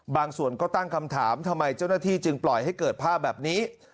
บางส่วนก็ตั้งคำถามทำไมเจ้าหน้าที่จึงปล่อยให้เกิดภาพแบบนี้